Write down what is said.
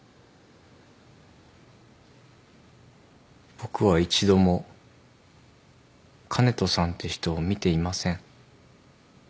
僕は一度も香音人さんって人を見ていません。